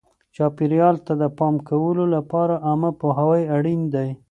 چاپیریال ته د پام کولو لپاره عامه پوهاوی اړین دی.